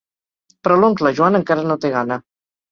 Però l'oncle Joan encara no té gana.